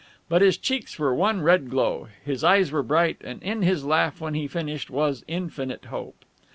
But his cheeks were one red glow, his eyes were bright, and in his laugh, when he finished, was infinite hope.